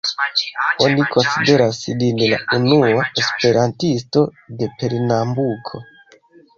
Oni konsideras lin la unua esperantisto de Pernambuko.